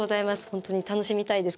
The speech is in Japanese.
ホントに楽しみたいです